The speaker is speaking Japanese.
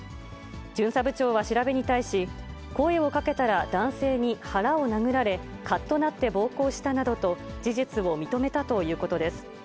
巡査部長は調べに対し、声をかけたら男性に腹を殴られ、かっとなって暴行したなどと事実を認めたということです。